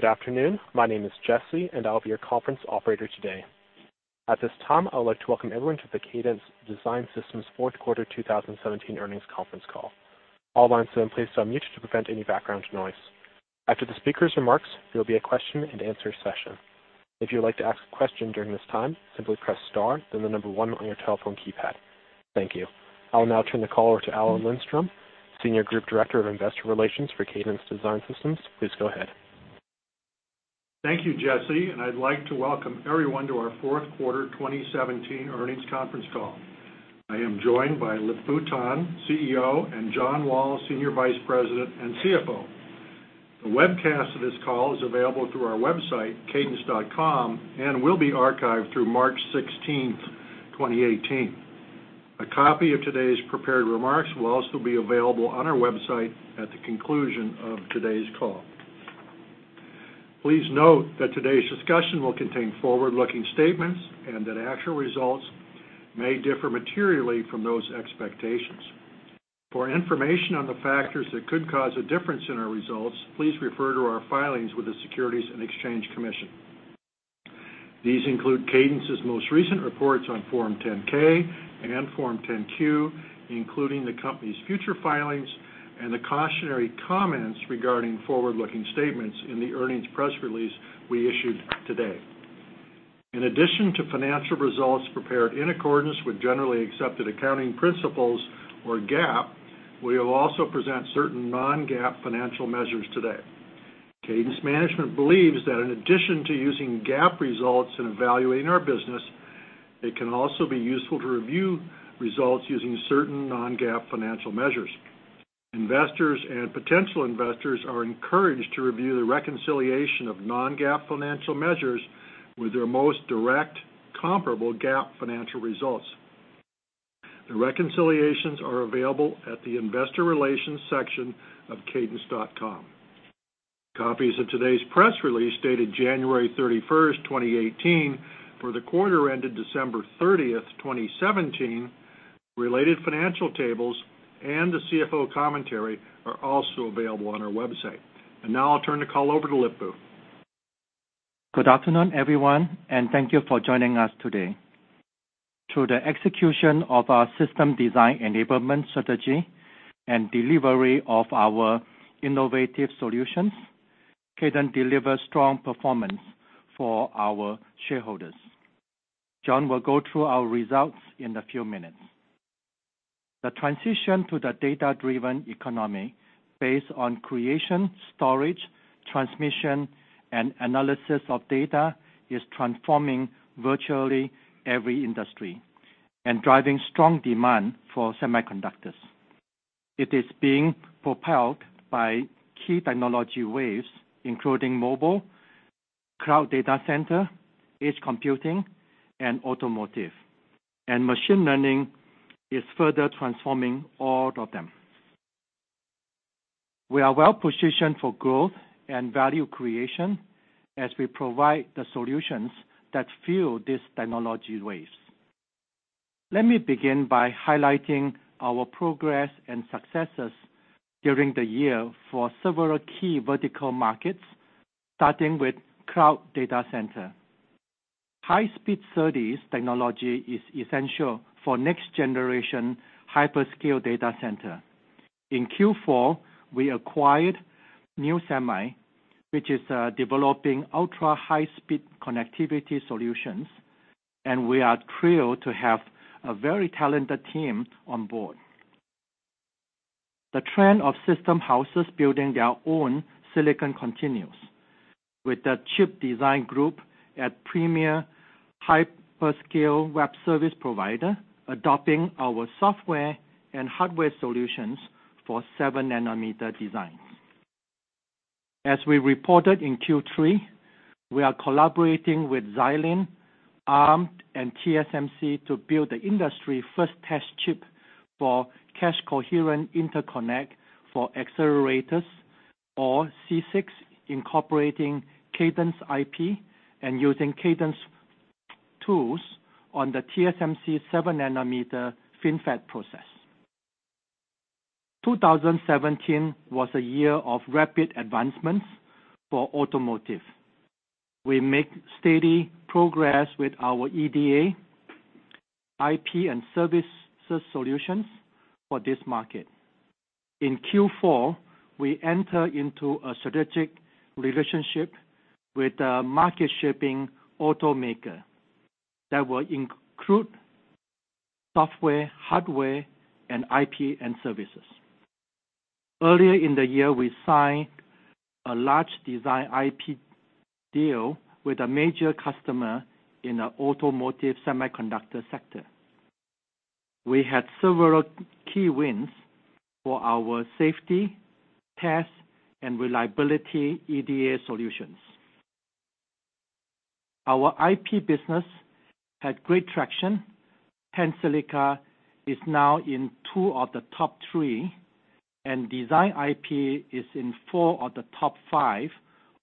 Good afternoon. My name is Jessy, and I'll be your conference operator today. At this time, I would like to welcome everyone to the Cadence Design Systems fourth quarter 2017 earnings conference call. All lines have been placed on mute to prevent any background noise. After the speaker's remarks, there will be a question and answer session. If you would like to ask a question during this time, simply press star, then the number one on your telephone keypad. Thank you. I will now turn the call over to Alan Lindstrom, Senior Group Director of Investor Relations for Cadence Design Systems. Please go ahead. Thank you, Jessy, and I'd like to welcome everyone to our fourth quarter 2017 earnings conference call. I am joined by Lip-Bu Tan, CEO, and John Wall, Senior Vice President and CFO. The webcast of this call is available through our website, cadence.com, and will be archived through March 16th, 2018. A copy of today's prepared remarks will also be available on our website at the conclusion of today's call. Please note that today's discussion will contain forward-looking statements, and that actual results may differ materially from those expectations. For information on the factors that could cause a difference in our results, please refer to our filings with the Securities and Exchange Commission. These include Cadence's most recent reports on Form 10-K and Form 10-Q, including the company's future filings and the cautionary comments regarding forward-looking statements in the earnings press release we issued today. In addition to financial results prepared in accordance with generally accepted accounting principles, or GAAP, we will also present certain non-GAAP financial measures today. Cadence management believes that in addition to using GAAP results in evaluating our business, it can also be useful to review results using certain non-GAAP financial measures. Investors and potential investors are encouraged to review the reconciliation of non-GAAP financial measures with their most direct comparable GAAP financial results. The reconciliations are available at the investor relations section of cadence.com. Copies of today's press release, dated January 31st, 2018, for the quarter ended December 30th, 2017, related financial tables, and the CFO commentary are also available on our website. Now I'll turn the call over to Lip-Bu. Good afternoon, everyone, and thank you for joining us today. Through the execution of our System Design Enablement strategy and delivery of our innovative solutions, Cadence delivers strong performance for our shareholders. John will go through our results in a few minutes. The transition to the data-driven economy based on creation, storage, transmission, and analysis of data is transforming virtually every industry and driving strong demand for semiconductors. It is being propelled by key technology waves, including mobile, cloud data center, edge computing, and automotive. Machine learning is further transforming all of them. We are well-positioned for growth and value creation as we provide the solutions that fuel these technology waves. Let me begin by highlighting our progress and successes during the year for several key vertical markets, starting with cloud data center. High-speed SerDes technology is essential for next-generation hyperscale data center. In Q4, we acquired nusemi, which is developing ultra-high-speed connectivity solutions, and we are thrilled to have a very talented team on board. The trend of system houses building their own silicon continues with the chip design group at premier hyperscale web service provider adopting our software and hardware solutions for 7-nanometer designs. As we reported in Q3, we are collaborating with Xilinx, Arm, and TSMC to build the industry first test chip for Cache Coherent Interconnect for Accelerators or CCIX, incorporating Cadence IP and using Cadence tools on the TSMC 7-nanometer FinFET process. 2017 was a year of rapid advancements for automotive. We make steady progress with our EDA, IP, and services solutions for this market. In Q4, we enter into a strategic relationship with a market-shaping automaker that will include software, hardware, and IP and services. Earlier in the year, we signed a large design IP deal with a major customer in the automotive semiconductor sector. We had several key wins for our safety, test, and reliability EDA solutions. Our IP business had great traction. Tensilica is now in two of the top three, and Design IP is in four of the top five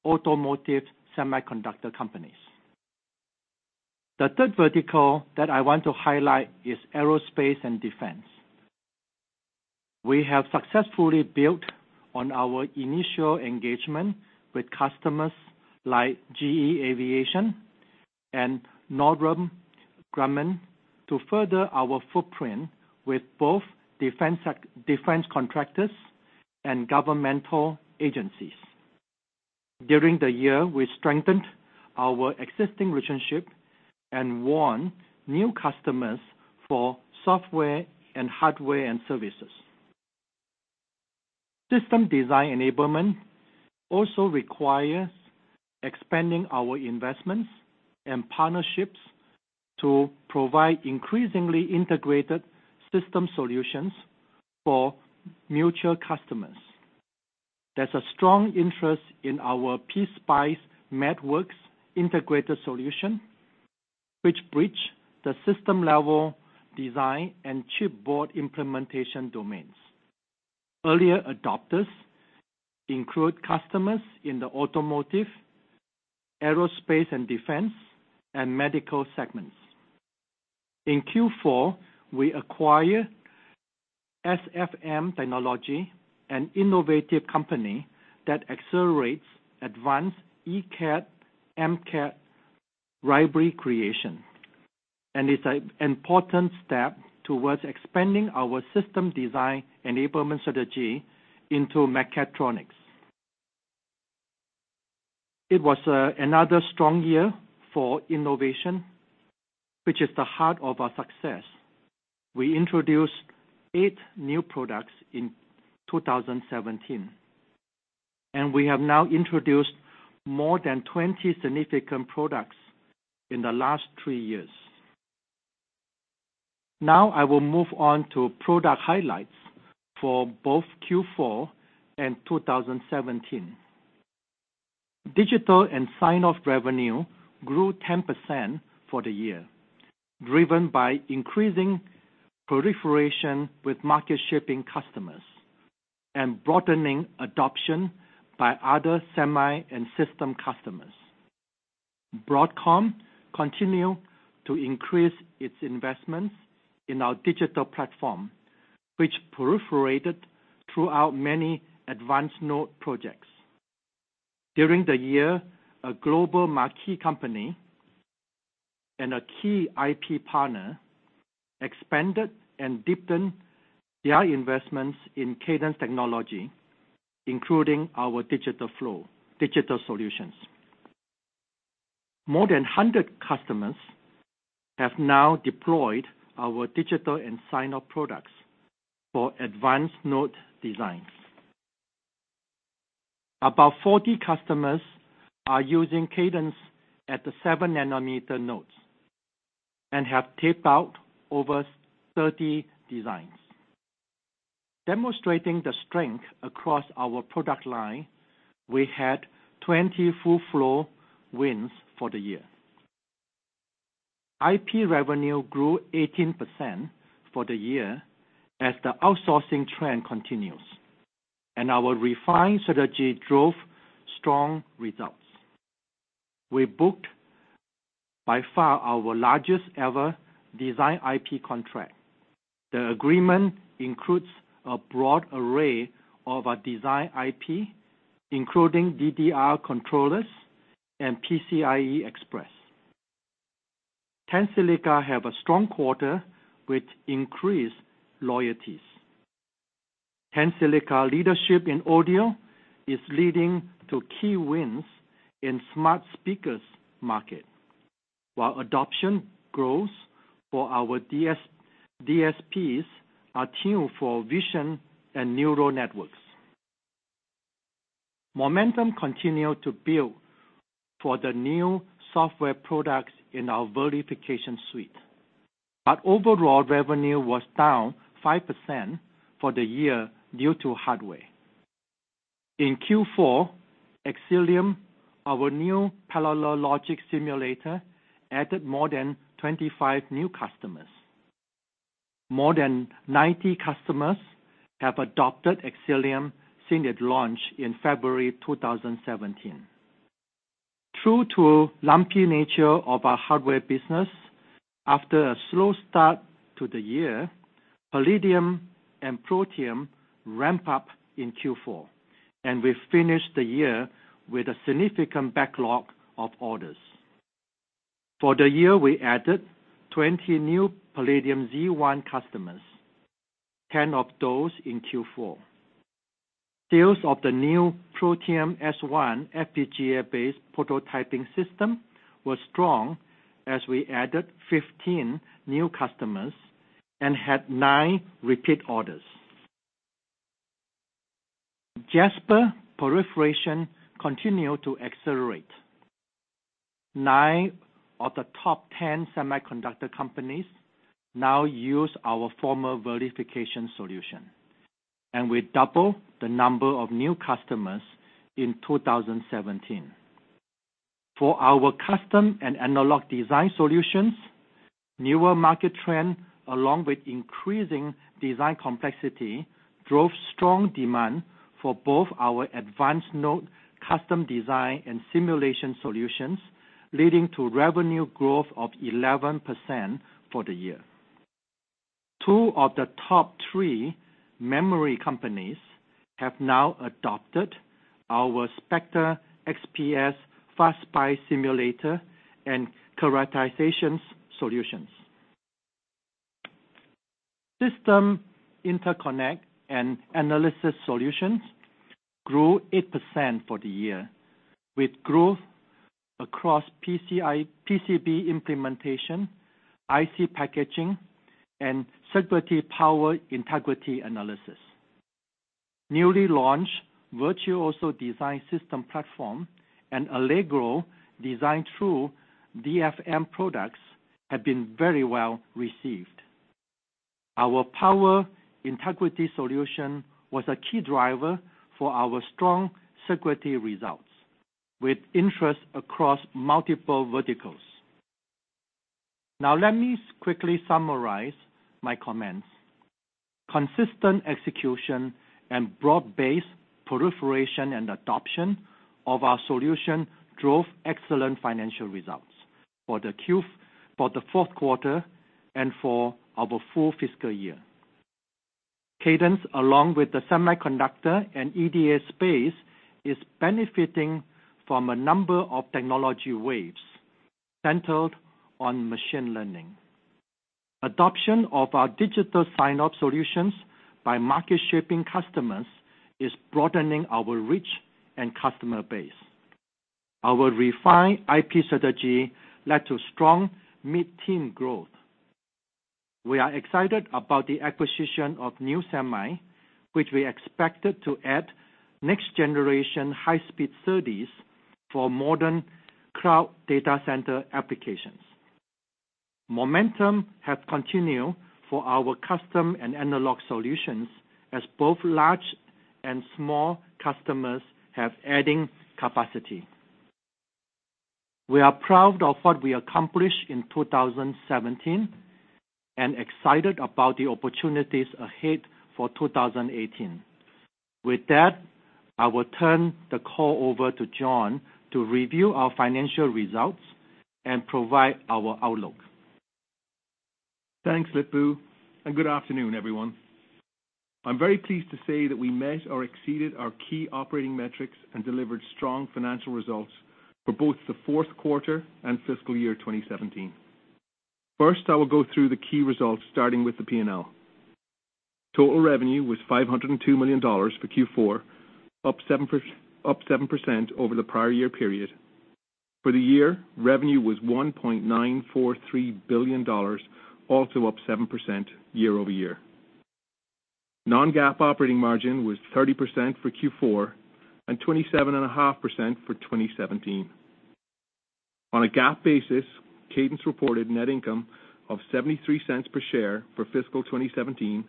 automotive semiconductor companies. The third vertical that I want to highlight is aerospace and defense. We have successfully built on our initial engagement with customers like GE Aviation and Northrop Grumman to further our footprint with both defense contractors and governmental agencies. During the year, we strengthened our existing relationship and won new customers for software and hardware and services. System Design Enablement also requires expanding our investments and partnerships to provide increasingly integrated system solutions for mutual customers. There's a strong interest in our PSpice MathWorks integrated solution, which bridge the system level design and chipboard implementation domains. Earlier adopters include customers in the automotive, aerospace and defense, and medical segments. In Q4, we acquire SFM Technology, an innovative company that accelerates advanced ECAD, MCAD library creation, and is an important step towards expanding our System Design Enablement strategy into mechatronics. It was another strong year for innovation, which is the heart of our success. We introduced eight new products in 2017, and we have now introduced more than 20 significant products in the last three years. Now I will move on to product highlights for both Q4 and 2017. Digital and sign-off revenue grew 10% for the year, driven by increasing proliferation with market-shipping customers and broadening adoption by other semi and system customers. Broadcom continue to increase its investments in our digital platform, which proliferated throughout many advanced node projects. During the year, a global marquee company and a key IP partner expanded and deepened their investments in Cadence technology, including our digital flow, digital solutions. More than 100 customers have now deployed our digital and sign-off products for advanced node designs. About 40 customers are using Cadence at the 7-nanometer nodes and have taped out over 30 designs. Demonstrating the strength across our product line, we had 20 full flow wins for the year. IP revenue grew 18% for the year as the outsourcing trend continues, and our refined strategy drove strong results. We booked, by far, our largest ever design IP contract. The agreement includes a broad array of our design IP, including DDR controllers and PCI Express. Tensilica have a strong quarter, which increased royalties. Tensilica leadership in audio is leading to key wins in smart speakers market, while adoption grows for our DSPs are tuned for vision and neural networks. Momentum continued to build for the new software products in our verification suite. Overall revenue was down 5% for the year due to hardware. In Q4, Xcelium, our new parallel logic simulator, added more than 25 new customers. More than 90 customers have adopted Xcelium since its launch in February 2017. True to lumpy nature of our hardware business, after a slow start to the year, Palladium and Protium ramp up in Q4, and we finished the year with a significant backlog of orders. For the year, we added 20 new Palladium Z1 customers, 10 of those in Q4. Sales of the new Protium S1 FPGA-based prototyping system were strong as we added 15 new customers and had nine repeat orders. Jasper proliferation continued to accelerate. Nine of the top 10 semiconductor companies now use our formal verification solution, and we doubled the number of new customers in 2017. For our custom and analog design solutions Newer market trend, along with increasing design complexity, drove strong demand for both our advanced node custom design and simulation solutions, leading to revenue growth of 11% for the year. Two of the top three memory companies have now adopted our Spectre XPS FastSPICE simulator and characterization solutions. System interconnect and analysis solutions grew 8% for the year, with growth across PCB implementation, IC packaging, and Sigrity power integrity analysis. Newly launched Virtuoso System Design Platform and Allegro PCB DesignTrue DFM products have been very well received. Our power integrity solution was a key driver for our strong Sigrity results, with interest across multiple verticals. Let me quickly summarize my comments. Consistent execution and broad-based proliferation and adoption of our solution drove excellent financial results for the fourth quarter and for our full fiscal year. Cadence, along with the semiconductor and EDA space, is benefiting from a number of technology waves centered on machine learning. Adoption of our digital sign-off solutions by market-shaping customers is broadening our reach and customer base. Our refined IP strategy led to strong mid-teen growth. We are excited about the acquisition of nusemi inc, which we expected to add next-generation high-speed SerDes for modern cloud data center applications. Momentum have continued for our custom and analog solutions as both large and small customers have adding capacity. We are proud of what we accomplished in 2017 and excited about the opportunities ahead for 2018. With that, I will turn the call over to John to review our financial results and provide our outlook. Thanks, Lip-Bu, good afternoon, everyone. I'm very pleased to say that we met or exceeded our key operating metrics and delivered strong financial results for both the fourth quarter and fiscal year 2017. First, I will go through the key results, starting with the P&L. Total revenue was $502 million for Q4, up 7% over the prior year period. For the year, revenue was $1.943 billion, also up 7% year-over-year. Non-GAAP operating margin was 30% for Q4 and 27.5% for 2017. On a GAAP basis, Cadence reported net income of $0.73 per share for fiscal 2017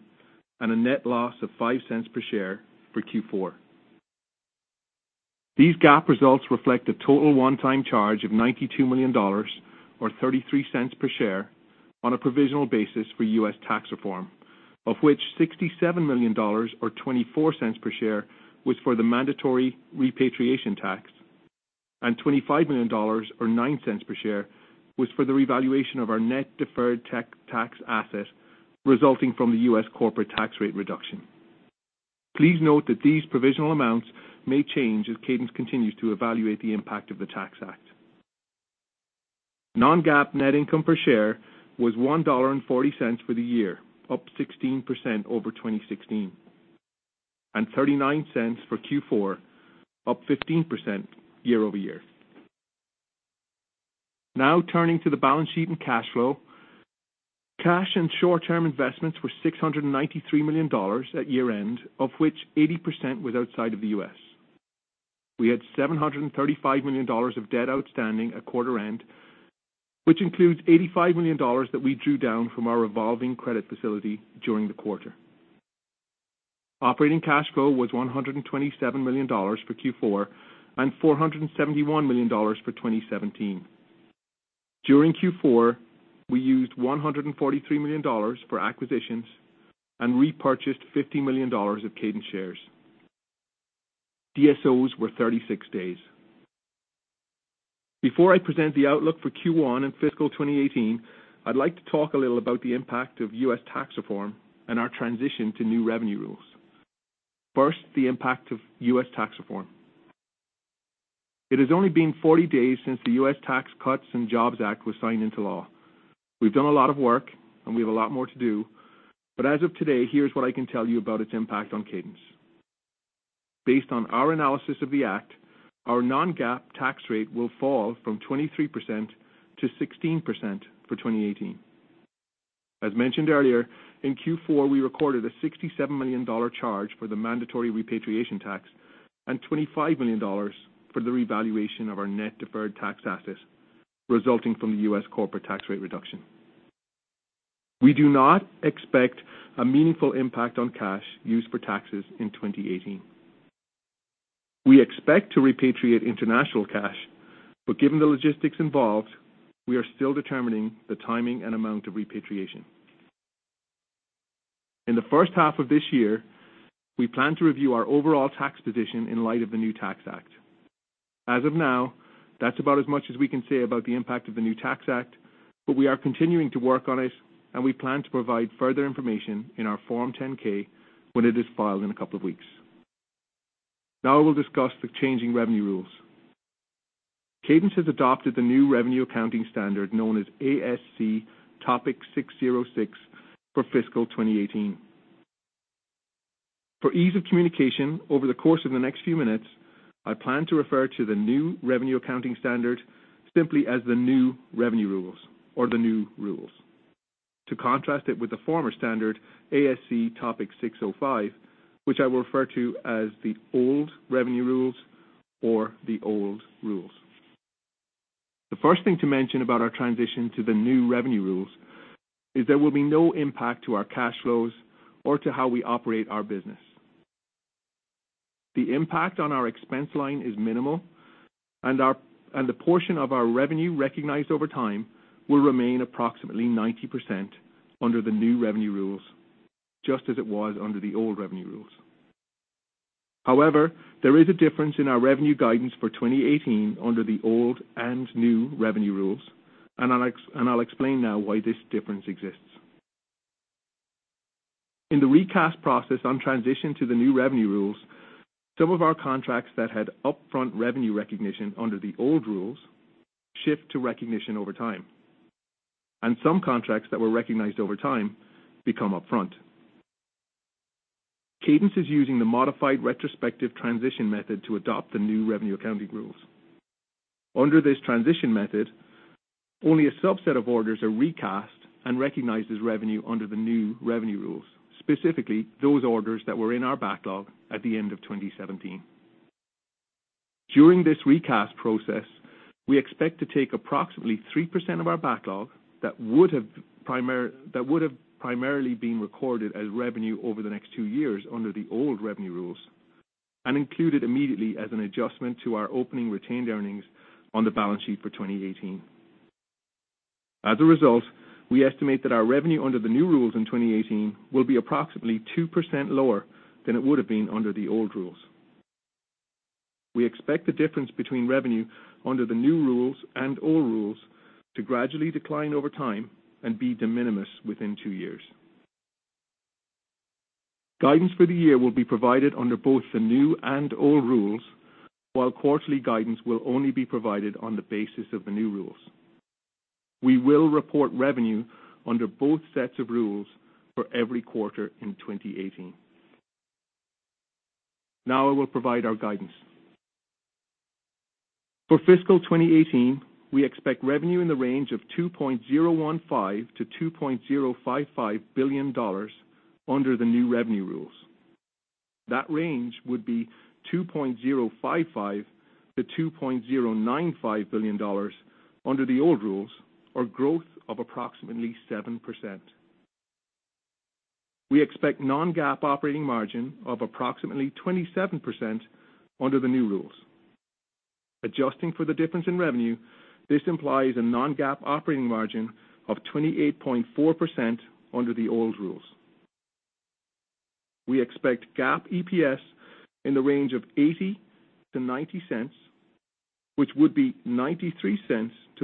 and a net loss of $0.05 per share for Q4. These GAAP results reflect a total one-time charge of $92 million, or $0.33 per share on a provisional basis for U.S. tax reform, of which $67 million, or $0.24 per share, was for the mandatory repatriation tax, and $25 million or $0.09 per share was for the revaluation of our net deferred tax asset resulting from the U.S. corporate tax rate reduction. Please note that these provisional amounts may change as Cadence continues to evaluate the impact of the Tax Act. Non-GAAP net income per share was $1.40 for the year, up 16% over 2016, and $0.39 for Q4, up 15% year-over-year. Turning to the balance sheet and cash flow. Cash and short-term investments were $693 million at year-end, of which 80% was outside of the U.S. We had $735 million of debt outstanding at quarter end, which includes $85 million that we drew down from our revolving credit facility during the quarter. Operating cash flow was $127 million for Q4 and $471 million for 2017. During Q4, we used $143 million for acquisitions and repurchased $50 million of Cadence shares. DSOs were 36 days. Before I present the outlook for Q1 and fiscal 2018, I'd like to talk a little about the impact of U.S. tax reform and our transition to new revenue rules. First, the impact of U.S. tax reform. It has only been 40 days since the U.S. Tax Cuts and Jobs Act was signed into law. We've done a lot of work and we have a lot more to do, but as of today, here's what I can tell you about its impact on Cadence. Based on our analysis of the Act, our non-GAAP tax rate will fall from 23% to 16% for 2018. As mentioned earlier, in Q4, we recorded a $67 million charge for the mandatory repatriation tax and $25 million for the revaluation of our net deferred tax assets resulting from the U.S. corporate tax rate reduction. We do not expect a meaningful impact on cash used for taxes in 2018. We expect to repatriate international cash, but given the logistics involved, we are still determining the timing and amount of repatriation. In the first half of this year, we plan to review our overall tax position in light of the new Tax Act. As of now, that's about as much as we can say about the impact of the new Tax Act. We are continuing to work on it, and we plan to provide further information in our Form 10-K when it is filed in a couple of weeks. I will discuss the changing revenue rules. Cadence has adopted the new revenue accounting standard known as ASC Topic 606 for fiscal 2018. For ease of communication, over the course of the next few minutes, I plan to refer to the new revenue accounting standard simply as the new revenue rules or the new rules, to contrast it with the former standard, ASC Topic 605, which I will refer to as the old revenue rules or the old rules. The first thing to mention about our transition to the new revenue rules is there will be no impact to our cash flows or to how we operate our business. The impact on our expense line is minimal, and the portion of our revenue recognized over time will remain approximately 90% under the new revenue rules, just as it was under the old revenue rules. However, there is a difference in our revenue guidance for 2018 under the old and new revenue rules, and I'll explain now why this difference exists. In the recast process on transition to the new revenue rules, some of our contracts that had upfront revenue recognition under the old rules shift to recognition over time, and some contracts that were recognized over time become upfront. Cadence is using the modified retrospective transition method to adopt the new revenue accounting rules. Under this transition method, only a subset of orders are recast and recognized as revenue under the new revenue rules, specifically those orders that were in our backlog at the end of 2017. During this recast process, we expect to take approximately 3% of our backlog that would have primarily been recorded as revenue over the next two years under the old revenue rules and include it immediately as an adjustment to our opening retained earnings on the balance sheet for 2018. As a result, we estimate that our revenue under the new rules in 2018 will be approximately 2% lower than it would have been under the old rules. We expect the difference between revenue under the new rules and old rules to gradually decline over time and be de minimis within two years. Guidance for the year will be provided under both the new and old rules, while quarterly guidance will only be provided on the basis of the new rules. We will report revenue under both sets of rules for every quarter in 2018. I will provide our guidance. For fiscal 2018, we expect revenue in the range of $2.015 billion-$2.055 billion under the new revenue rules. That range would be $2.055 billion-$2.095 billion under the old rules, or growth of approximately 7%. We expect non-GAAP operating margin of approximately 27% under the new rules. Adjusting for the difference in revenue, this implies a non-GAAP operating margin of 28.4% under the old rules. We expect GAAP EPS in the range of $0.80-$0.90, which would be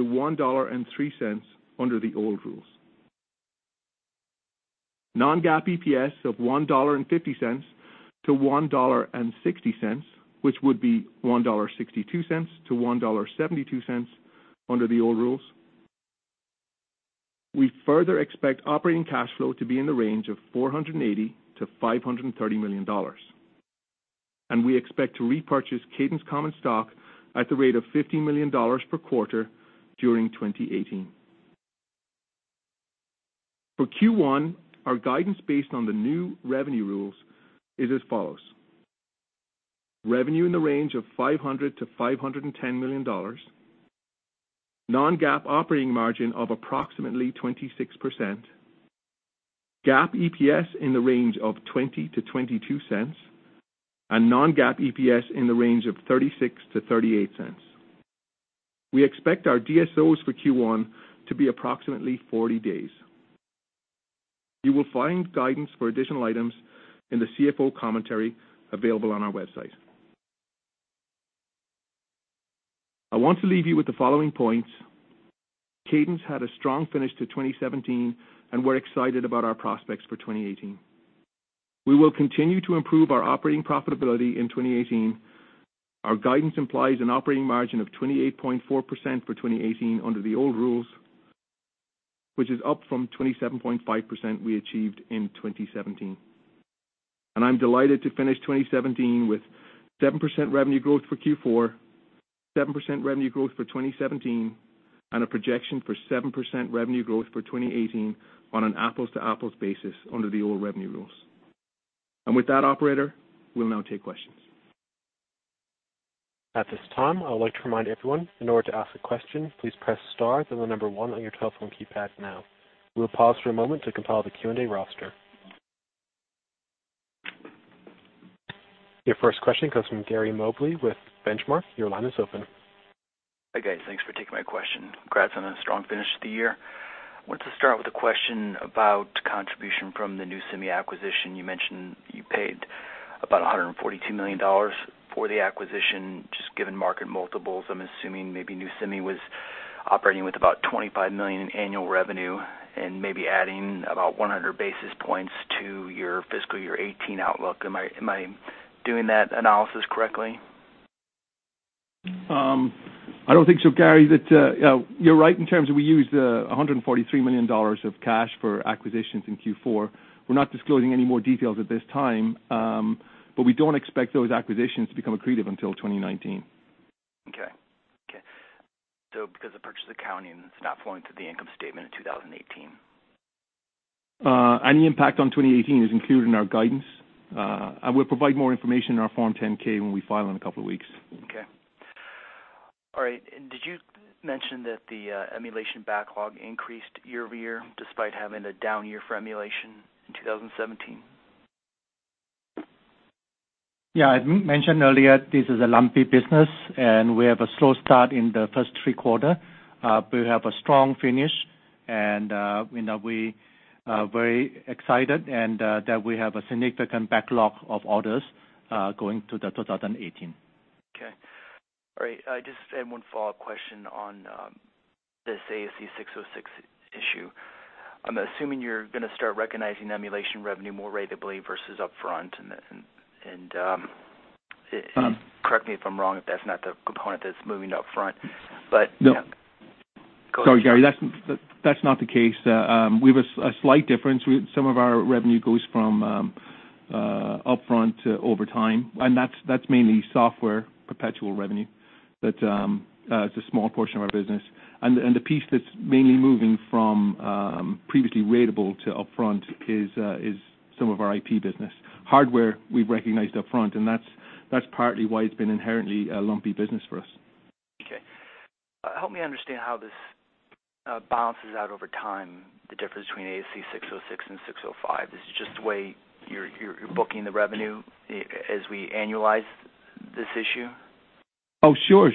$0.93-$1.03 under the old rules. Non-GAAP EPS of $1.50-$1.60, which would be $1.62-$1.72 under the old rules. We further expect operating cash flow to be in the range of $480 million-$530 million, and we expect to repurchase Cadence common stock at the rate of $50 million per quarter during 2018. For Q1, our guidance based on the new revenue rules is as follows. Revenue in the range of $500 million-$510 million. Non-GAAP operating margin of approximately 26%. GAAP EPS in the range of $0.20-$0.22, and non-GAAP EPS in the range of $0.36-$0.38. We expect our DSOs for Q1 to be approximately 40 days. You will find guidance for additional items in the CFO commentary available on our website. I want to leave you with the following points. Cadence had a strong finish to 2017, and we're excited about our prospects for 2018. We will continue to improve our operating profitability in 2018. Our guidance implies an operating margin of 28.4% for 2018 under the old rules, which is up from 27.5% we achieved in 2017. I'm delighted to finish 2017 with 7% revenue growth for Q4, 7% revenue growth for 2017, and a projection for 7% revenue growth for 2018 on an apples-to-apples basis under the old revenue rules. With that, operator, we'll now take questions. At this time, I would like to remind everyone, in order to ask a question, please press star, then the number one on your telephone keypad now. We will pause for a moment to compile the Q&A roster. Your first question comes from Gary Mobley with Benchmark. Your line is open. Hi, guys. Thanks for taking my question. Congrats on a strong finish to the year. I wanted to start with a question about contribution from the nusemi inc acquisition. You mentioned you paid about $142 million for the acquisition. Just given market multiples, I'm assuming maybe nusemi inc was operating with about $25 million in annual revenue and maybe adding about 100 basis points to your fiscal year 2018 outlook. Am I doing that analysis correctly? I don't think so, Gary. You're right in terms of we used $143 million of cash for acquisitions in Q4. We're not disclosing any more details at this time, but we don't expect those acquisitions to become accretive until 2019. Okay. Because of purchase accounting, it's not flowing to the income statement in 2018. Any impact on 2018 is included in our guidance. We'll provide more information in our Form 10-K when we file in a couple of weeks. Okay. All right. Did you mention that the emulation backlog increased year-over-year despite having a down year for emulation in 2017? Yeah. I mentioned earlier, this is a lumpy business, we have a slow start in the first three quarter. We have a strong finish, and we are very excited and that we have a significant backlog of orders going to the 2018. Okay. All right. I just have one follow-up question on this ASC 606 issue. I'm assuming you're going to start recognizing emulation revenue more ratably versus upfront, and correct me if I'm wrong, if that's not the component that's moving upfront. No. Go ahead. Sorry, Gary, that's not the case. We have a slight difference. Some of our revenue goes from upfront to over time, and that's mainly software perpetual revenue. It's a small portion of our business. The piece that's mainly moving from previously ratable to upfront is some of our IP business. Hardware, we've recognized upfront, and that's partly why it's been inherently a lumpy business for us. Okay. Help me understand how this balances out over time, the difference between ASC 606 and 605. Is it just the way you're booking the revenue as we annualize this issue? Sure.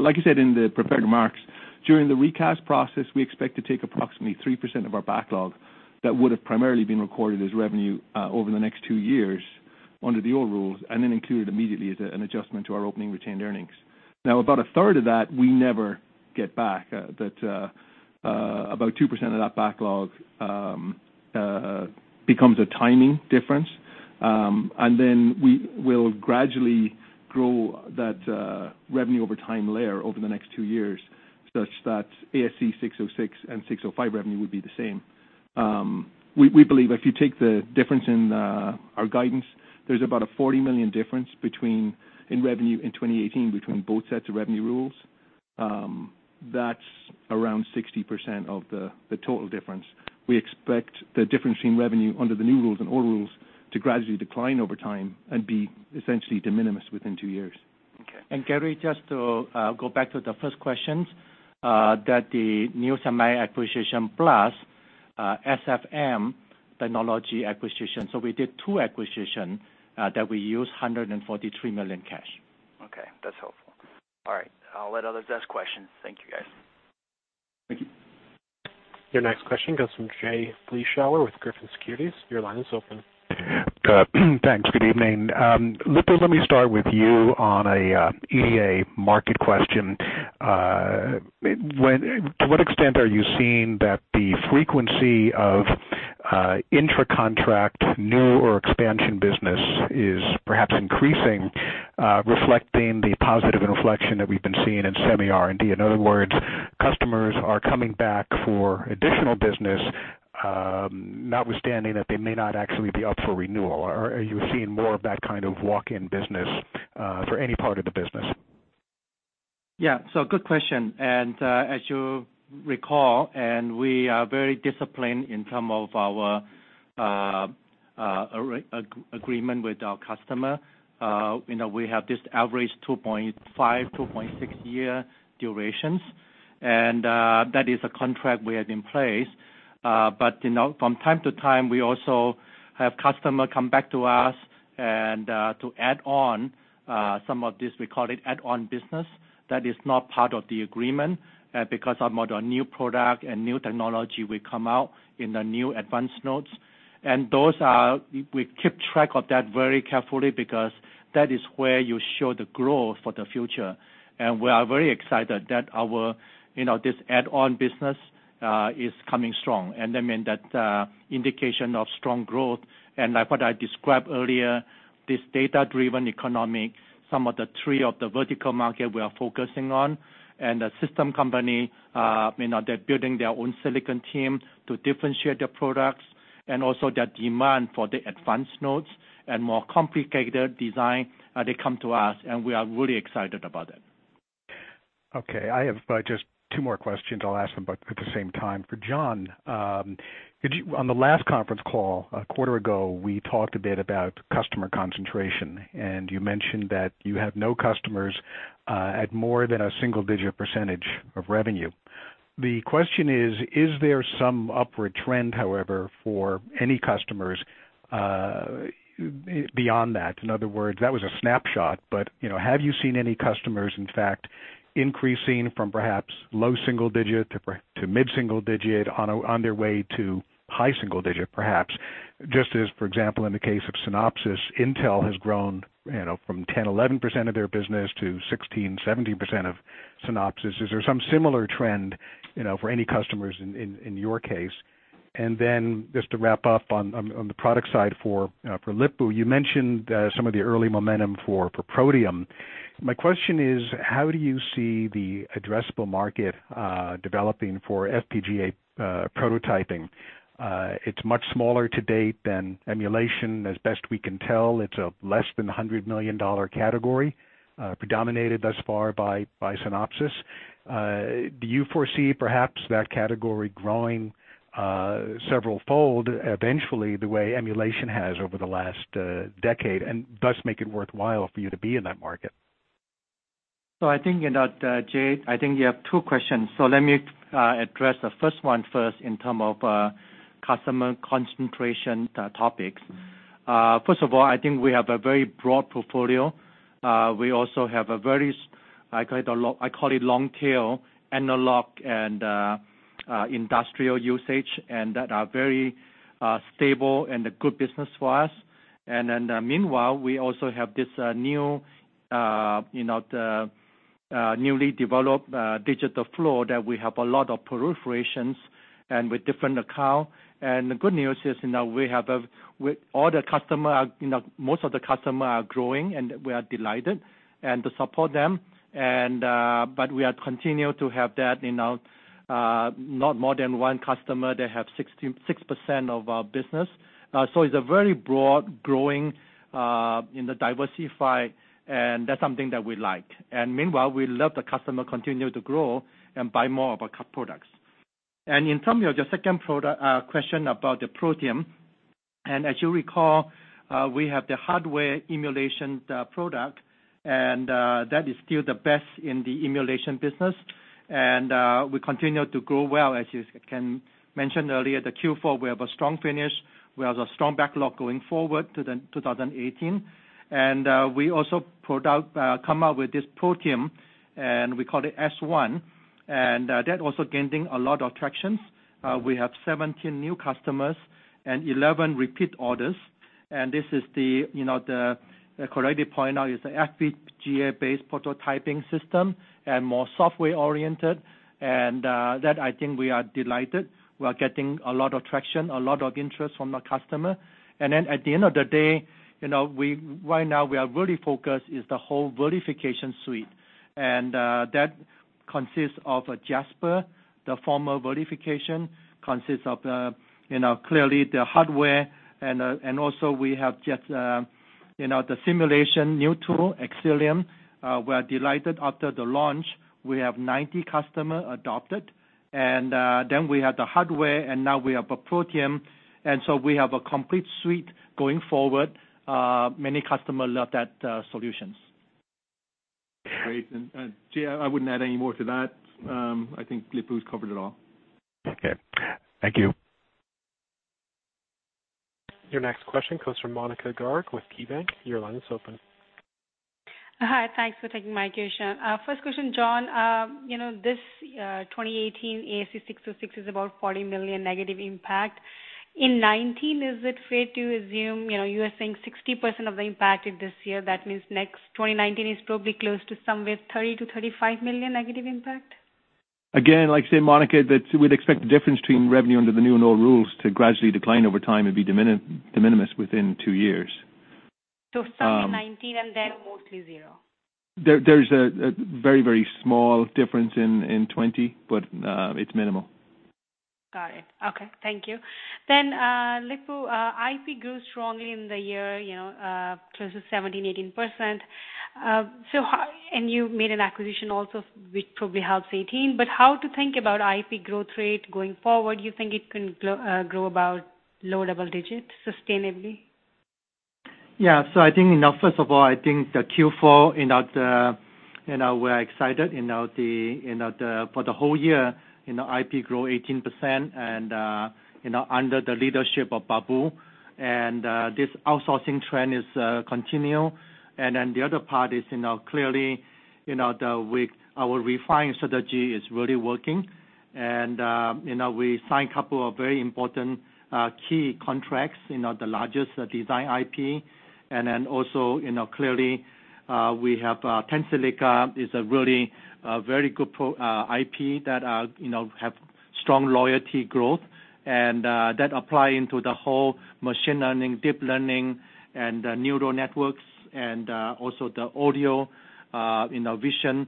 Like I said in the prepared remarks, during the recast process, we expect to take approximately 3% of our backlog that would've primarily been recorded as revenue over the next two years under the old rules, then include it immediately as an adjustment to our opening retained earnings. Now, about a third of that we never get back. About 2% of that backlog becomes a timing difference. We will gradually grow that revenue over time layer over the next two years such that ASC 606 and ASC 605 revenue would be the same. We believe if you take the difference in our guidance, there's about a $40 million difference between in revenue in 2018 between both sets of revenue rules. That's around 60% of the total difference. We expect the difference between revenue under the new rules and old rules to gradually decline over time and be essentially de minimis within two years. Okay. Gary, just to go back to the first questions, the nusemi inc acquisition plus SFM Technology acquisition. We did two acquisition that we used $143 million cash. Okay. That's helpful. All right. I'll let others ask questions. Thank you, guys. Thank you. Your next question comes from Jay Vleeschhouwer with Griffin Securities. Your line is open. Thanks. Good evening. Lip-Bu, let me start with you on an EDA market question. To what extent are you seeing that the frequency of intracontract new or expansion business is perhaps increasing, reflecting the positive inflection that we've been seeing in semi R&D? In other words, customers are coming back for additional business, notwithstanding that they may not actually be up for renewal. Are you seeing more of that kind of walk-in business for any part of the business? Good question. As you recall, we are very disciplined in term of our agreement with our customer. We have this average 2.5, 2.6 year durations, that is a contract we have in place. From time to time, we also have customer come back to us and to add on some of this, we call it add-on business, that is not part of the agreement because of more new product and new technology will come out in the new advanced nodes. Those are, we keep track of that very carefully because that is where you show the growth for the future. We are very excited that our this add-on business is coming strong. I mean that indication of strong growth and like what I described earlier, this data-driven economic, some of the three of the vertical market we are focusing on, and the system company, they are building their own silicon team to differentiate their products and also their demand for the advanced nodes and more complicated design, they come to us. We are really excited about it. Okay. I have just two more questions. I will ask them both at the same time. For John, on the last conference call a quarter ago, we talked a bit about customer concentration, and you mentioned that you have no customers at more than a single-digit percentage of revenue. The question is: Is there some upward trend, however, for any customers beyond that? In other words, that was a snapshot, but have you seen any customers, in fact, increasing from perhaps low single digit to mid-single digit on their way to high single digit, perhaps? Just as, for example, in the case of Synopsys, Intel has grown from 10, 11% of their business to 16, 17% of Synopsys. Is there some similar trend for any customers in your case? Just to wrap up on the product side for Lip-Bu, you mentioned some of the early momentum for Protium. My question is: How do you see the addressable market developing for FPGA prototyping? It is much smaller to date than emulation. As best we can tell, it is a less than $100 million category, predominated thus far by Synopsys. Do you foresee perhaps that category growing several fold eventually, the way emulation has over the last decade, and thus make it worthwhile for you to be in that market? I think, Jay, you have two questions. Let me address the first one first in term of customer concentration topics. First of all, I think we have a very broad portfolio. We also have a very, I call it long tail analog and industrial usage and that are very stable and a good business for us. Meanwhile, we also have this newly developed digital flow that we have a lot of penetrations and with different account. The good news is all the customer, most of the customer are growing, and we are delighted to support them. We are continue to have that, not more than one customer that have 6% of our business. It is a very broad growing in the diversify, and that is something that we like. Meanwhile, we let the customer continue to grow and buy more of our products. In terms of your second question about the Protium, as you recall, we have the hardware emulation product, that is still the best in the emulation business. We continue to grow well. As you mentioned earlier, the Q4, we have a strong finish. We have a strong backlog going forward to 2018. We also come out with this Protium, we call it S1, that also gaining a lot of traction. We have 17 new customers and 11 repeat orders, this is the, correctly point out, is the FPGA-based prototyping system and more software-oriented. That I think we are delighted. We are getting a lot of traction, a lot of interest from the customer. At the end of the day, right now we are really focused is the whole verification suite. That consists of Jasper, the formal verification, consists of clearly the hardware, also we have just the simulation new tool, Xcelium. We are delighted after the launch. We have 90 customer adopt it. Then we have the hardware, now we have a Protium. So we have a complete suite going forward. Many customer love that solutions. Great. Jay, I wouldn't add any more to that. I think Lip-Bu has covered it all. Okay. Thank you. Your next question comes from Monika Garg with KeyBanc. Your line is open. Hi. Thanks for taking my question. First question, John. This 2018 ASC 606 is about $40 million negative impact. In 2019, is it fair to assume you are saying 60% of the impact is this year? That means next 2019 is probably close to somewhere $30 million-$35 million negative impact? Like I say, Monika, that we'd expect the difference between revenue under the new and old rules to gradually decline over time and be de minimis within two years. Some in 2019 and then mostly zero. There's a very small difference in 2020, it's minimal. Got it. Okay. Thank you. Lip-Bu, IP grew strongly in the year, close to 17%-18%. You made an acquisition also, which probably helps 2018. How to think about IP growth rate going forward? You think it can grow about low double digits sustainably? I think, first of all, Q4, we are excited. For the whole year, IP grow 18% under the leadership of Babu, this outsourcing trend is continue. The other part is clearly, our refined strategy is really working. We signed couple of very important key contracts, the largest design IP. Also, clearly, we have Tensilica, is a really very good IP that have strong loyalty growth, that apply into the whole machine learning, deep learning, neural networks, also the audio vision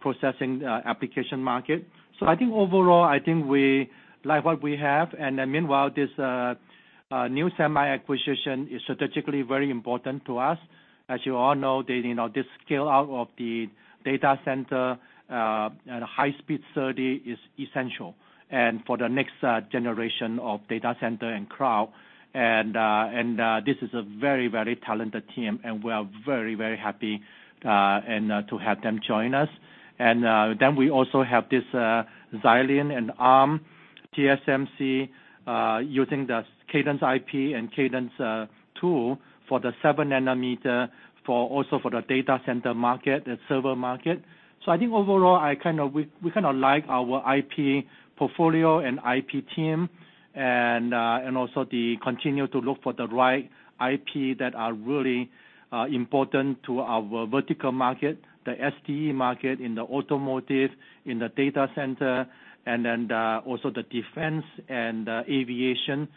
processing application market. Overall, we like what we have. Meanwhile, this nusemi inc acquisition is strategically very important to us As you all know, this scale-out of the data center and high-speed SerDes is essential for the next generation of data center and cloud. This is a very talented team, we are very happy to have them join us. We also have this Xilinx and Arm, TSMC, using the Cadence IP and Cadence tool for the seven nanometer, also for the data center market and server market. Overall, we like our IP portfolio and IP team, also they continue to look for the right IP that are really important to our vertical market, the SD market in the automotive, in the data center, also the defense and aviation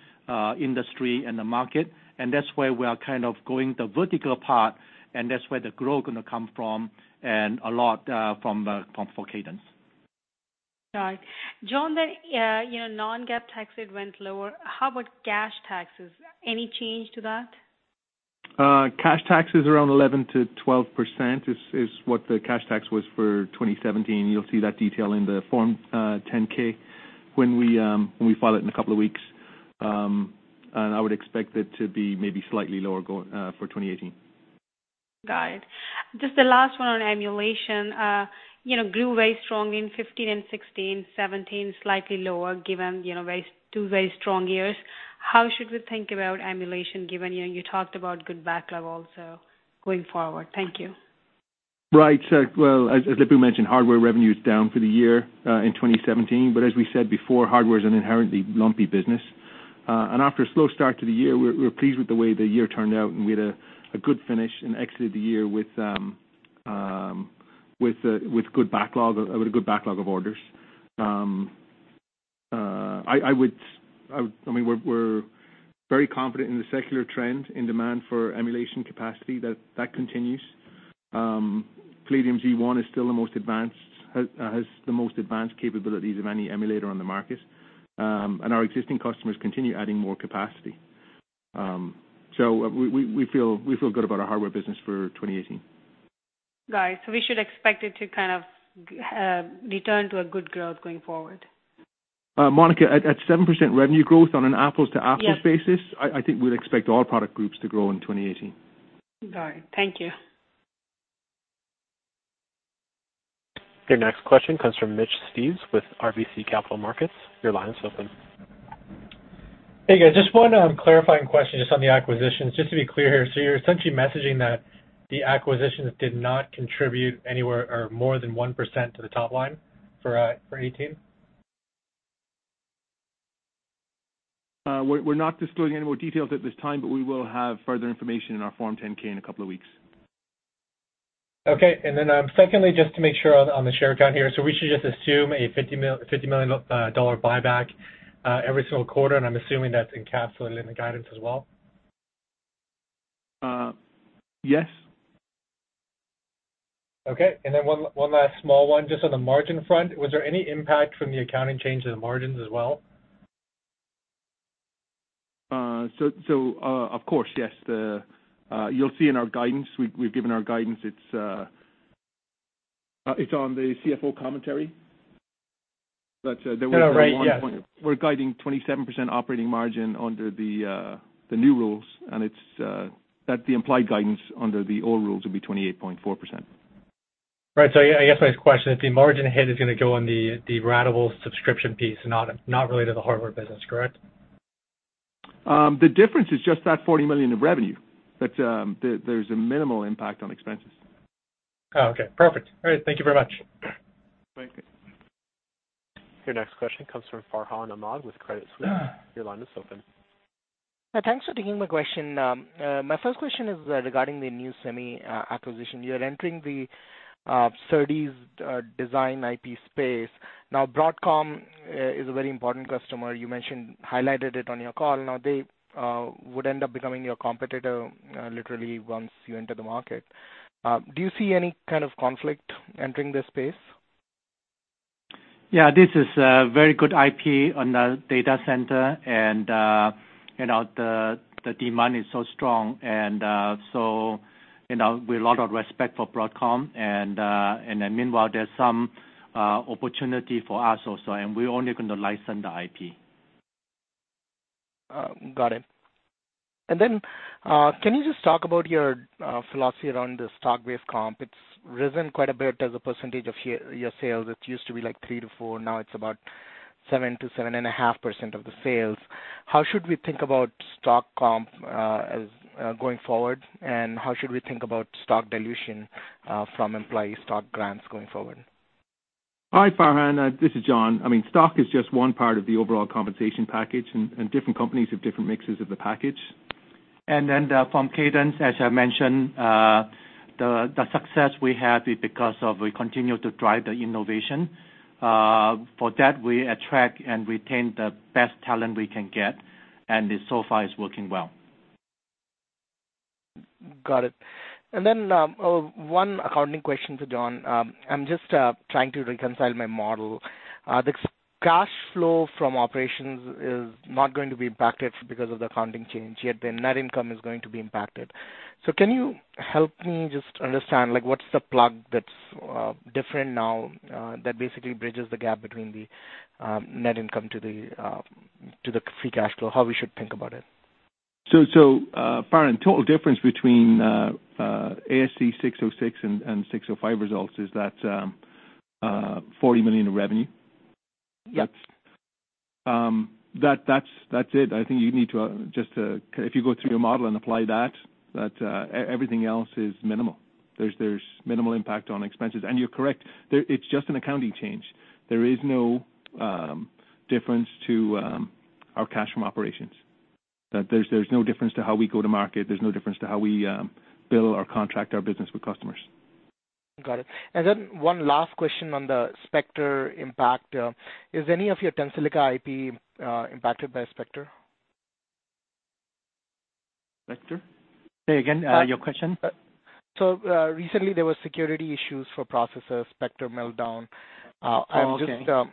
industry and the market. That's where we are kind of going the vertical part, that's where the growth gonna come from, and a lot for Cadence. Got it. John, your non-GAAP taxes went lower. How about cash taxes? Any change to that? Cash taxes around 11%-12% is what the cash tax was for 2017. You'll see that detail in the Form 10-K when we file it in a couple of weeks. I would expect it to be maybe slightly lower for 2018. Got it. Just the last one on emulation. Grew very strong in 2015 and 2016. 2017, slightly lower, given two very strong years. How should we think about emulation, given you talked about good backlog also going forward? Thank you. Right. Well, as Lip-Bu mentioned, hardware revenue is down for the year in 2017. As we said before, hardware is an inherently lumpy business. After a slow start to the year, we're pleased with the way the year turned out, and we had a good finish and exited the year with a good backlog of orders. We're very confident in the secular trend in demand for emulation capacity, that continues. Palladium Z1 has the most advanced capabilities of any emulator on the market. Our existing customers continue adding more capacity. We feel good about our hardware business for 2018. Right. We should expect it to kind of return to a good growth going forward? Monika, at 7% revenue growth on an apples-to-apples- Yes basis, I think we'll expect all product groups to grow in 2018. Got it. Thank you. Your next question comes from Mitch Steves with RBC Capital Markets. Your line is open. Hey, guys. Just one clarifying question, just on the acquisitions. Just to be clear here, you're essentially messaging that the acquisitions did not contribute more than 1% to the top line for 2018? We're not disclosing any more details at this time, but we will have further information in our Form 10-K in a couple of weeks. Okay. Secondly, just to make sure on the share count here. We should just assume a $50 million buyback every single quarter, and I'm assuming that's encapsulated in the guidance as well? Yes. Okay. One last small one, just on the margin front. Was there any impact from the accounting change to the margins as well? Of course, yes. You'll see in our guidance, we've given our guidance. It's on the CFO commentary. Oh, right, yes. We're guiding 27% operating margin under the new rules, the implied guidance under the old rules would be 28.4%. Right. I guess my question, if the margin hit is going to go on the ratable subscription piece, not related to the hardware business, correct? The difference is just that $40 million of revenue. There's a minimal impact on expenses. Oh, okay, perfect. All right. Thank you very much. Thank you. Your next question comes from Farhan Ahmad with Credit Suisse. Your line is open. Thanks for taking my question. My first question is regarding the nusemi acquisition. You're entering the SerDes design IP space. Broadcom is a very important customer. You mentioned, highlighted it on your call. They would end up becoming your competitor literally once you enter the market. Do you see any kind of conflict entering this space? Yeah, this is a very good IP on the data center, and the demand is so strong. With a lot of respect for Broadcom, meanwhile, there's some opportunity for us also, we're only going to license the IP. Got it. Can you just talk about your philosophy around the stock-based comp? It's risen quite a bit as a percentage of your sales. It used to be like three to four. Now it's about 7%-7.5% of the sales. How should we think about stock comp going forward, and how should we think about stock dilution from employee stock grants going forward? Hi, Farhan. This is John. Stock is just one part of the overall compensation package, different companies have different mixes of the package. From Cadence, as I mentioned, the success we have is because of we continue to drive the innovation. For that, we attract and retain the best talent we can get, this so far is working well. Got it. One accounting question to John. I'm just trying to reconcile my model. Cash flow from operations is not going to be impacted because of the accounting change, yet the net income is going to be impacted. Can you help me just understand what's the plug that's different now that basically bridges the gap between the net income to the free cash flow? How we should think about it. Farhan, total difference between ASC 606 and 605 results is that $40 million in revenue. Yep. That's it. I think you need to just, if you go through your model and apply that, everything else is minimal. There's minimal impact on expenses. You're correct, it's just an accounting change. There is no difference to our cash from operations. There's no difference to how we go to market. There's no difference to how we bill or contract our business with customers. Got it. One last question on the Spectre impact. Is any of your Tensilica IP impacted by Spectre? Spectre? Say again, your question. Recently there was security issues for processors, Spectre, Meltdown. Oh, okay. Yeah.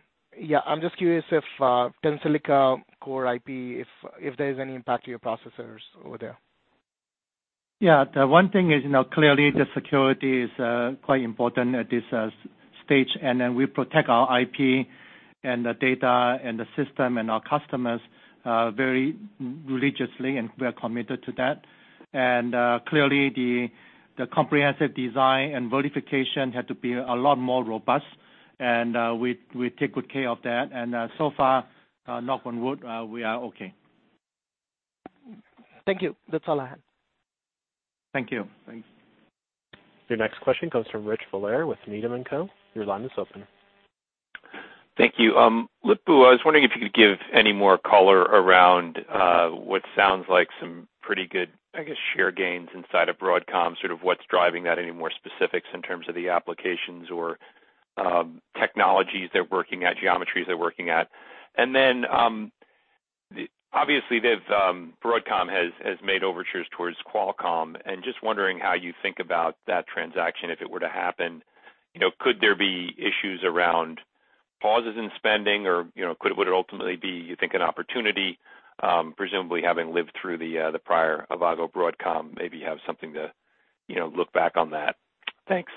I'm just curious if Tensilica core IP, if there's any impact to your processors over there. Yeah. The one thing is, clearly the security is quite important at this stage, and then we protect our IP and the data and the system and our customers very religiously, and we are committed to that. Clearly, the comprehensive design and verification had to be a lot more robust, and we take good care of that. So far, knock on wood, we are okay. Thank you. That's all I have. Thank you. Thanks. Your next question comes from Rich Valera with Needham & Company. Your line is open. Thank you. Lip-Bu, I was wondering if you could give any more color around what sounds like some pretty good, I guess, share gains inside of Broadcom, sort of what's driving that. Any more specifics in terms of the applications or technologies they're working at, geometries they're working at. Then, obviously Broadcom has made overtures towards Qualcomm, and just wondering how you think about that transaction, if it were to happen. Could there be issues around pauses in spending or would it ultimately be, you think, an opportunity? Presumably having lived through the prior Avago-Broadcom, maybe you have something to look back on that. Thanks.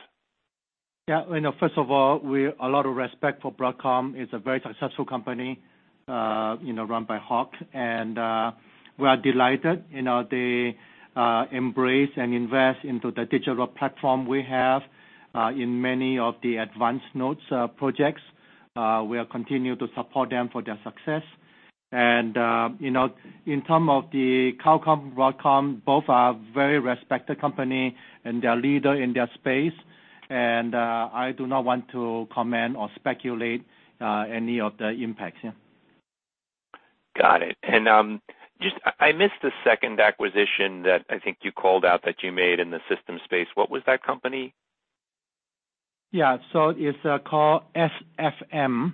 First of all, a lot of respect for Broadcom. It's a very successful company run by Hock, and we are delighted they embrace and invest into the digital platform we have in many of the advanced nodes projects. We'll continue to support them for their success. In terms of the Qualcomm, Broadcom, both are very respected company and they are leader in their space. I do not want to comment or speculate any of the impacts. Yeah. Got it. Just, I missed the second acquisition that I think you called out that you made in the system space. What was that company? Yeah. It's called SFM.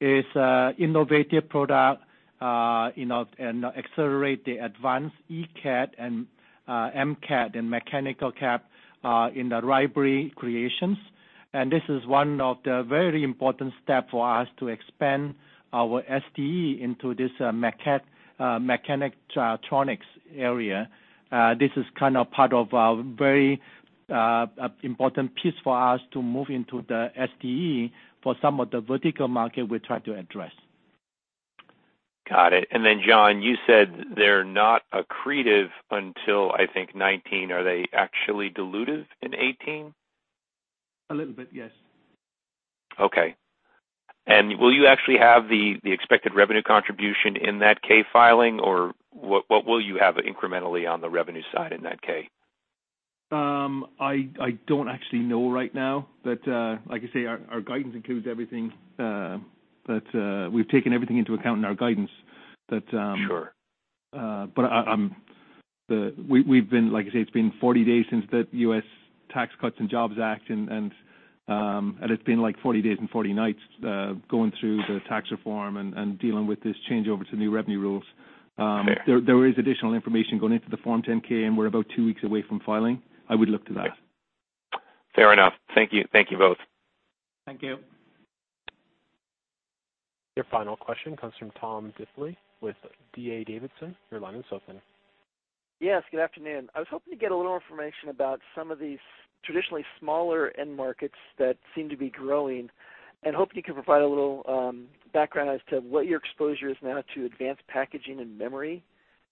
It's innovative product, and accelerate the advanced ECAD and MCAD and mechanical CAD in the library creations. This is one of the very important step for us to expand our SDE into this mechatronics area. This is kind of part of a very important piece for us to move into the SDE for some of the vertical market we try to address. Got it. Then, John, you said they're not accretive until, I think, 2019. Are they actually dilutive in 2018? A little bit, yes. Okay. Will you actually have the expected revenue contribution in that K filing, or what will you have incrementally on the revenue side in that K? I don't actually know right now. Like I say, our guidance includes everything. We've taken everything into account in our guidance. Sure. Like I say, it's been 40 days since that US Tax Cuts and Jobs Act, it's been like 40 days and 40 nights going through the tax reform and dealing with this changeover to new revenue rules. Okay. There is additional information going into the Form 10-K, we're about two weeks away from filing. I would look to that. Fair enough. Thank you. Thank you both. Thank you. Your final question comes from Tom Diffely with D.A. Davidson. Your line is open. Yes, good afternoon. I was hoping to get a little information about some of these traditionally smaller end markets that seem to be growing, and hoping you could provide a little background as to what your exposure is now to advanced packaging and memory,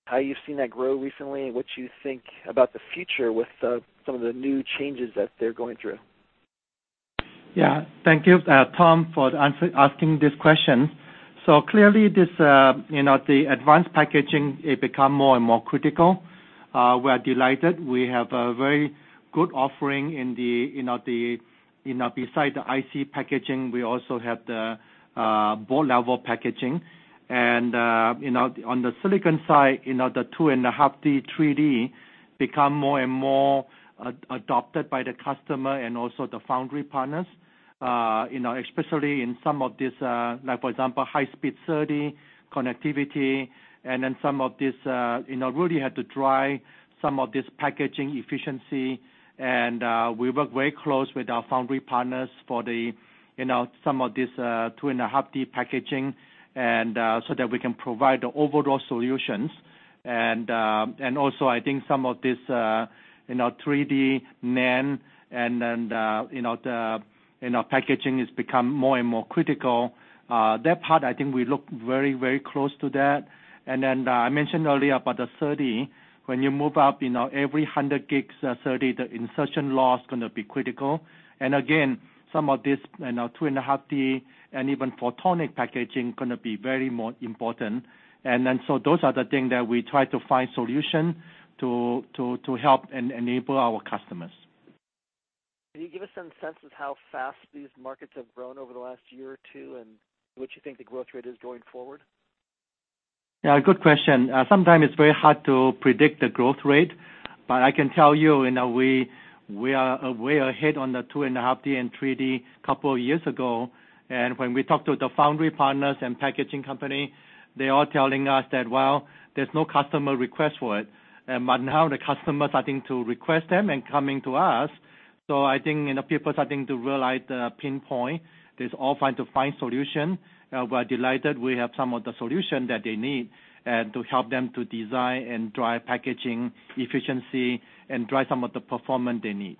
how you've seen that grow recently, and what you think about the future with some of the new changes that they're going through. Yeah. Thank you, Tom, for asking this question. Clearly, the advanced packaging, it become more and more critical. We are delighted. We have a very good offering. Beside the IC packaging, we also have the board level packaging. On the silicon side, the 2.5D 3D become more and more adopted by the customer and also the foundry partners. Especially in some of these, like for example, high-speed SerDes connectivity and then some of these really had to drive some of this packaging efficiency. We work very close with our foundry partners for some of this 2.5D packaging so that we can provide the overall solutions. Also, I think some of this 3D NAND and the packaging has become more and more critical. That part, I think we look very close to that. I mentioned earlier about the SerDes. When you move up every 100 gigs SerDes, the insertion loss is going to be critical. Again, some of this 2.5D and even photonic packaging going to be very more important. Those are the things that we try to find solution to help and enable our customers. Can you give us some sense of how fast these markets have grown over the last year or two and what you think the growth rate is going forward? Yeah, good question. Sometimes it's very hard to predict the growth rate, but I can tell you we are way ahead on the 2.5D and 3D couple of years ago. When we talked to the foundry partners and packaging company, they are telling us that, well, there's no customer request for it. Now the customer starting to request them and coming to us. I think people starting to realize the pain point. They all trying to find solution. We're delighted we have some of the solution that they need to help them to design and drive packaging efficiency and drive some of the performance they need.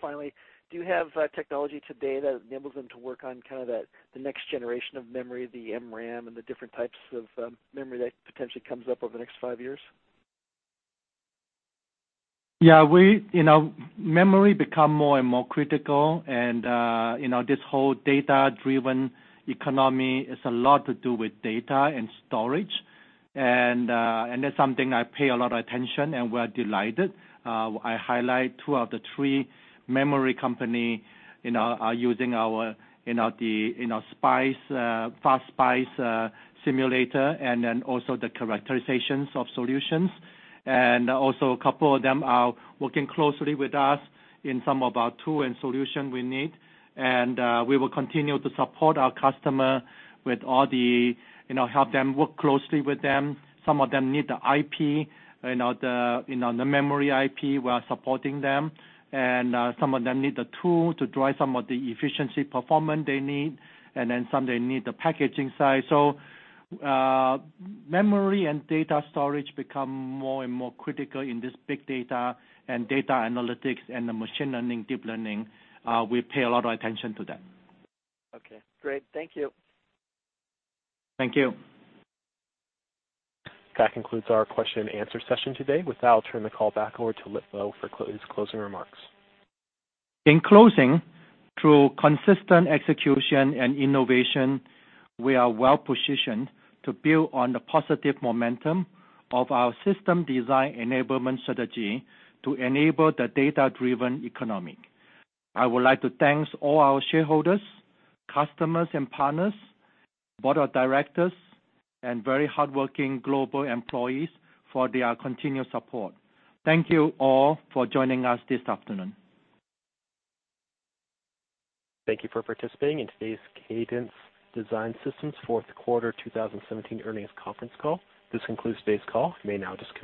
Finally, do you have technology today that enables them to work on kind of the next generation of memory, the MRAM, and the different types of memory that potentially comes up over the next five years? Yeah. Memory become more and more critical. This whole data-driven economy is a lot to do with data and storage. That's something I pay a lot of attention, and we're delighted. I highlight two of the three memory company are using our FastSPICE simulator and then also the characterizations of solutions. Also a couple of them are working closely with us in some of our tool and solution we need. We will continue to support our customer with help them work closely with them. Some of them need the IP, the memory IP. We are supporting them. Some of them need the tool to drive some of the efficiency performance they need, and some they need the packaging side. Memory and data storage become more and more critical in this big data and data analytics and the machine learning, deep learning. We pay a lot of attention to that. Okay, great. Thank you. Thank you. That concludes our question and answer session today. With that, I'll turn the call back over to Lip-Bu for his closing remarks. In closing, through consistent execution and innovation, we are well-positioned to build on the positive momentum of our System Design Enablement strategy to enable the data-driven economy. I would like to thank all our shareholders, customers and partners, board of directors, and very hardworking global employees for their continued support. Thank you all for joining us this afternoon. Thank you for participating in today's Cadence Design Systems fourth quarter 2017 earnings conference call. This concludes today's call. You may now disconnect.